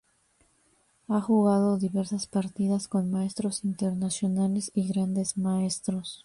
Ha jugado diversas partidas con Maestros Internacionales y Grandes Maestros.